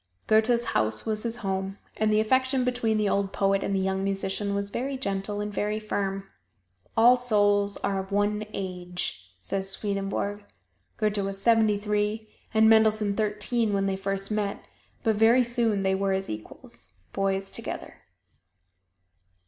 Goethe's house was his home, and the affection between the old poet and the young musician was very gentle and very firm. "All souls are of one age," says Swedenborg. Goethe was seventy three and Mendelssohn thirteen when they first met, but very soon they were as equals boys together.